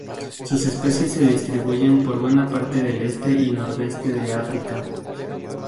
Sus especies se distribuyen por buena parte del este y nordeste de África.